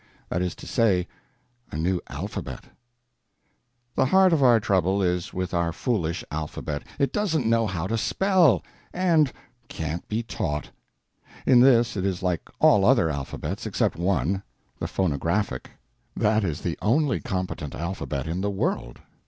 That is to say, a new alphabet. The heart of our trouble is with our foolish alphabet. It doesn't know how to spell, and can't be taught. In this it is like all other alphabets except one—the phonographic. That is the only competent alphabet in the world.